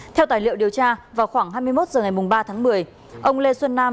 theo tài liệu điều tra vào khoảng hai mươi một h ngày ba tháng một mươi ông lê xuân nam